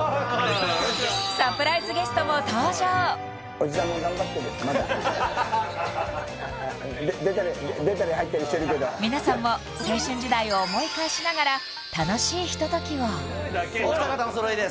おじさんも頑張ってるまだ出たり出たり入ったりしてるけど皆さんも青春時代を思い返しながら楽しいひとときをお二方お揃いです